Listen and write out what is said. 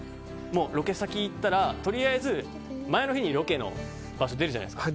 ロケ先に行ったらとりあえず前の日にロケの場所が出るじゃないですか。